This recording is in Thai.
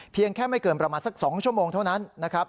แค่ไม่เกินประมาณสัก๒ชั่วโมงเท่านั้นนะครับ